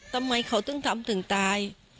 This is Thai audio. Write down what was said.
ทำไมเขาถึงทำถึงตาย